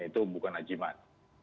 itu bukan ajiman